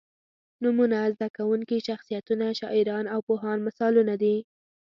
نومونه، زده کوونکي، شخصیتونه، شاعران او پوهان مثالونه دي.